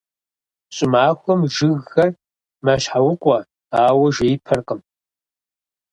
ЩӀымахуэм жыгхэр «мэщхьэукъуэ», ауэ жеипэркъым.